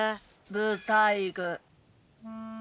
ブサイク。